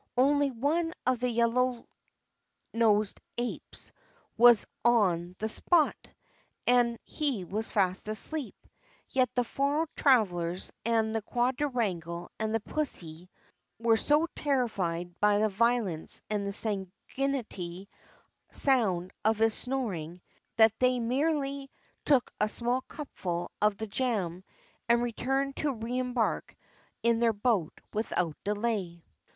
Only one of the yellow nosed apes was on the spot, and he was fast asleep; yet the four travelers and the quangle wangle and pussy were so terrified by the violence and sanguinary sound of his snoring that they merely took a small cupful of the jam, and returned to reëmbark in their boat without delay.